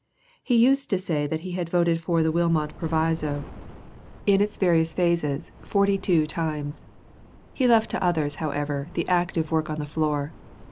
He used to say that he had voted for the Wilmot proviso, in its various phases, forty two times. He left to others, however, the active work on the floor.